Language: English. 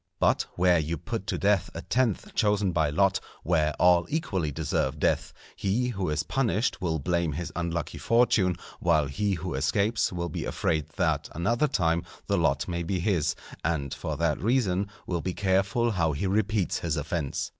But where you put to death a tenth chosen by lot, where all equally deserve death, he who is punished will blame his unlucky fortune, while he who escapes will be afraid that another time the lot may be his, and for that reason will be careful how he repeats his offence.